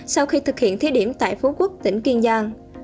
sau khi thực hiện thí điểm tại phú quốc tỉnh kiên giang